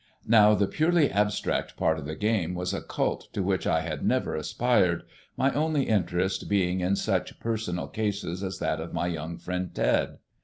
Now the purely abstract part of the game was a cult to which I had never aspired, my only interest being in such personal cases as that of my young friend Ted.